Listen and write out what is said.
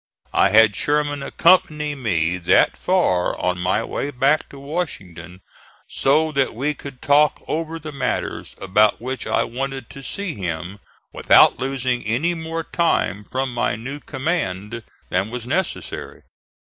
I had Sherman accompany me that far on my way back to Washington so that we could talk over the matters about which I wanted to see him, without losing any more time from my new command than was necessary.